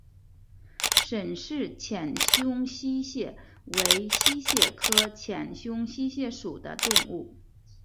沈氏浅胸溪蟹为溪蟹科浅胸溪蟹属的动物。